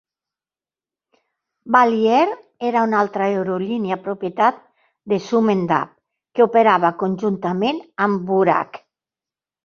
Bali Air era una altra aerolínia propietat de Sumendap que operava conjuntament amb Bouraq.